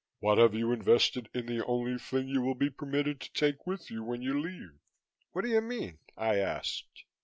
What have you invested in the only thing you will be permitted to take with you when you leave?" "What do you mean?" I asked.